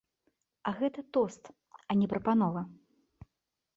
А гэта тост, а не прапанова.